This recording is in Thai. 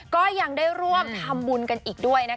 ก็ยังได้ร่วมทำบุญกันอีกด้วยนะคะ